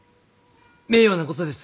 名誉なことです。